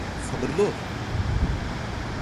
Sabırlı ol.